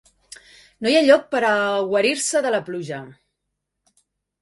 No hi ha lloc per a guarir-se de la pluja.